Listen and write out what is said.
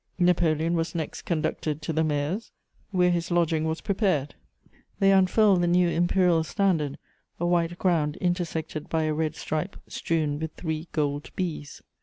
Napoleon was next conducted to the mayor's, where his lodging was prepared. They unfurled the new Imperial Standard, a white ground intersected by a red stripe strewn with three gold bees.